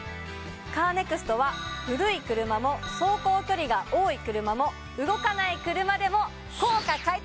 カーネクストは古い車も走行距離が多い車も動かない車でも。